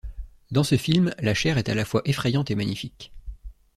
Dans ce film, la chair est à la fois effrayante et magnifique.